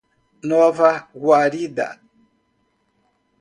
Nova Guarita